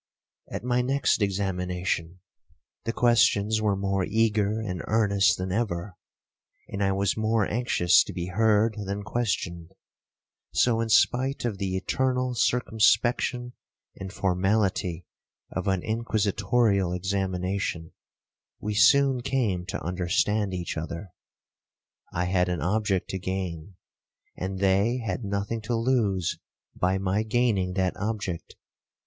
'At my next examination, the questions were more eager and earnest than ever, and I was more anxious to be heard than questioned; so, in spite of the eternal circumspection and formality of an inquisitorial examination, we soon came to understand each other. I had an object to gain, and they had nothing to lose by my gaining that object.